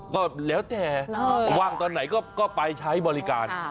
ก็แล้วแต่ว่างตอนไหนก็ไปใช้บริการ